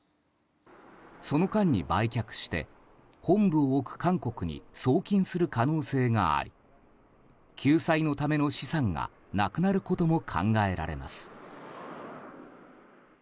その間に売却して本部を置く韓国に送金する可能性があり救済のための資産がなくなることも考えられます。